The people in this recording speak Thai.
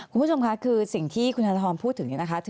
คุณผู้ชมค่ะคือสิ่งที่คุณธนทรพูดถึงเนี่ยนะคะ